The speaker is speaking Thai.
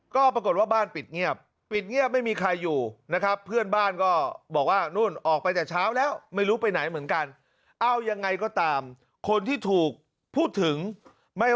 โครงการนี้หลายล้านบาทใช่ไหม